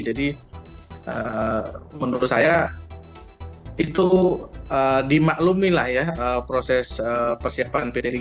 jadi menurut saya itu dimaklumi proses persiapan pd tiga